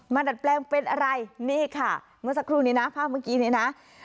ดัดแปลงเป็นอะไรนี่ค่ะเมื่อสักครู่นี้นะภาพเมื่อกี้นี้นะ